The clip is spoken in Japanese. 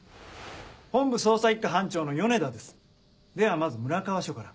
本部捜査一課班長の米田ですではまず村川署から。